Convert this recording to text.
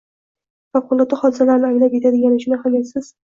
favqulodda hodisalarni anglab yetadiganlar uchun — ahamiyatsiz.